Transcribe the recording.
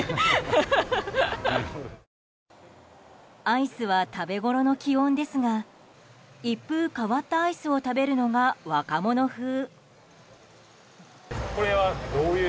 アイスは食べごろの気温ですが一風変わったアイスを食べるのが若者風。